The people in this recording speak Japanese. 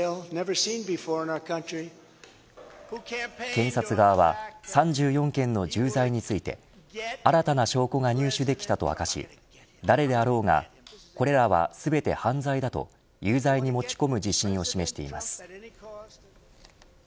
検察側は３４件の重罪について新たな証拠が入手できたと明かし誰であろうがこれらは全て犯罪だと有罪に持ち込む自信を示しています。